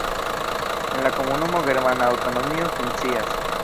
En la komunumo germana aŭtonomio funkcias.